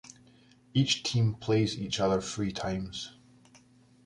Each team plays each other three times.